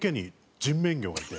人面魚がいて。